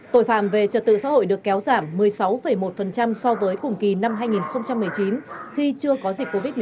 tội phạm về trật tự xã hội được kéo giảm một mươi sáu một so với cùng kỳ năm hai nghìn một mươi chín khi chưa có dịch covid một mươi chín